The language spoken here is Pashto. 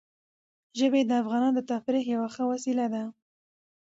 ژبې د افغانانو د تفریح یوه ښه وسیله ده.